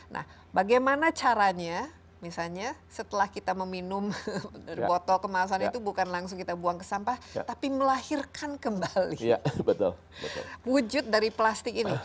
nah bagaimana caranya misalnya setelah kita meminum botol kemasan itu bukan langsung kita buang ke sampah tapi melahirkan kembali wujud dari plastik ini